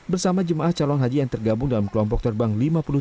bersama jemaah calon haji yang tergabung dalam kelompok terbang lima puluh tujuh